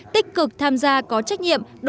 tích cực tham gia có trách nhiệm